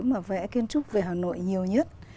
mà vẽ kiến trúc về hà nội nhiều nhất